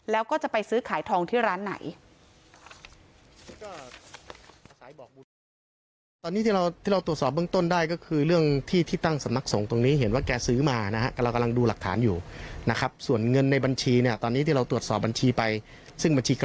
แล้วก็จะไปซื้อขายทองที่ร้านไหน